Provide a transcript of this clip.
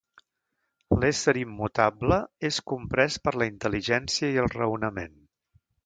L'ésser immutable és comprès per la intel·ligència i el raonament.